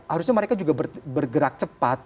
harusnya mereka juga bergerak cepat